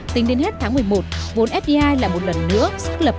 tính đến hết tháng một mươi một vốn fdi lại một lần nữa xác lập